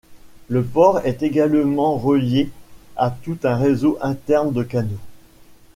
Le port est également relié à tout un réseau interne de canaux.